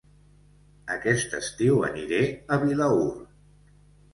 Aquest estiu aniré a Vilaür